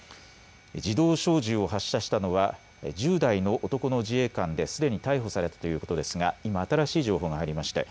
自動小銃を発射したのは１０代の男の自衛官ですでに逮捕されたということですが今新しい情報が入りました。